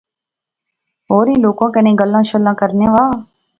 ہورنیں لوکیں کنے گلاں شلاں کرنا وہا